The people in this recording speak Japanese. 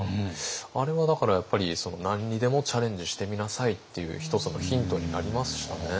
あれはだからやっぱり何にでもチャレンジしてみなさいっていう１つのヒントになりましたね。